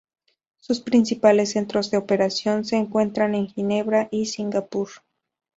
Sus principales centros de operación se encuentran en Ginebra y Singapur.